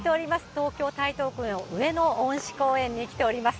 東京・台東区の上野恩賜公園に来ております。